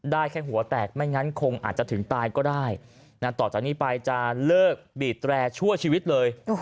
ได้แค่หัวแตกไม่งั้นคงอาจจะถึงตายก็ได้ต่อจากนี้ไปจะเลิกบีบแตรชั่วชีวิตเลย